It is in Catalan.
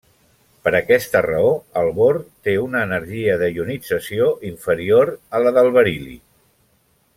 Per aquesta raó, el bor té una energia de ionització inferior a la del beril·li.